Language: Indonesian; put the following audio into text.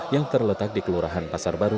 yang terletak di kelurahan pasar baru